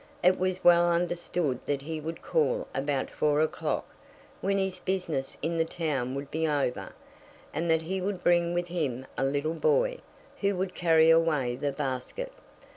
It was well understood that he would call about four o'clock, when his business in the town would be over; and that he would bring with him a little boy, who would carry away the basket.